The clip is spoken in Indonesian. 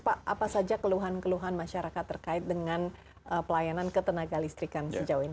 pak apa saja keluhan keluhan masyarakat terkait dengan pelayanan ketenaga listrikan sejauh ini